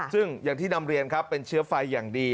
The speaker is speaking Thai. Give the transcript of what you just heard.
ซึ่งอย่างที่นำเรียนครับเป็นเชื้อไฟอย่างดี